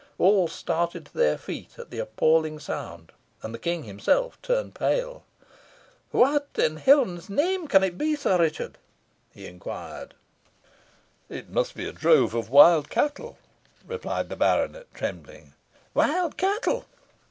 All started to their feet at the appalling sound, and the King himself turned pale. "What in Heaven's name can it be, Sir Richard?" he inquired. "It must be a drove of wild cattle," replied the baronet, trembling. "Wild cattle!"